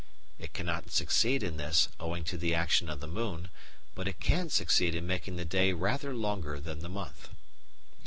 It cannot succeed in this, owing to the action of the moon, but it can succeed in making the day rather longer than the month.